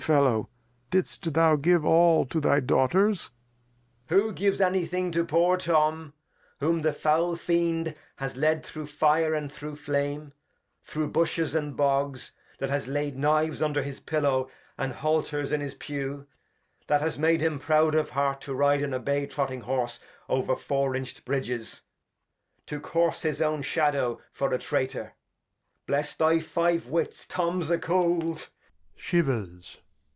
Fellow, did'st thou give all to thy Daughters ? Act III] King Lear 213 Edg. Who gives any Thing to poor Tom, whom the foul Fiend has led through Fire, and through Flame, through Bushes, and Bogs ; that has laid Knives under his Pillow, and Halters in his Pue ; that has made him proud of Heart to ride on a Bay trotting Horse over four inch'd Bridges, to course his own Shadow for a Traitor. Bless thy five Wits. Tom's a cold. {Shivers.